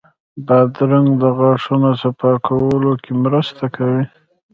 بادرنګ د غاښونو صفا کولو کې مرسته کوي.